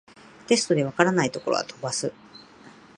テストで解らないところは飛ばす